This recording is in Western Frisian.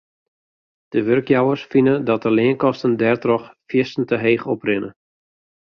De wurkjouwers fine dat de leankosten dêrtroch fierstente heech oprinne.